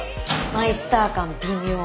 マイスター感微妙。